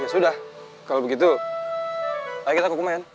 ya sudah kalau begitu ayo kita kukuman